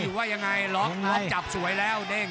ภูตวรรณสิทธิ์บุญมีน้ำเงิน